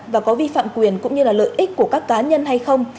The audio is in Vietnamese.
và có vi phạm quyền cũng như là lợi ích của các cá nhân hay không